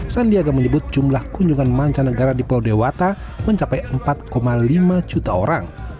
sandiaga menyebut jumlah kunjungan mancanegara di pulau dewata mencapai empat lima juta orang